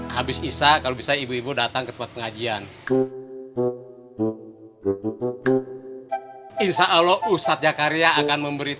habis isa kalau bisa ibu ibu datang ke tempat pengajian insyaallah ustadz jakaria akan memberi